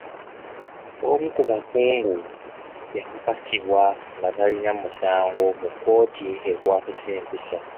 Omu ku bakungu yakakasibwa nga talina musango mu kkooti ekwasisa empisa.